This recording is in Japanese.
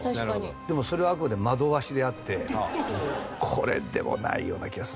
でもそれはあくまで惑わしであってこれでもないような気がする。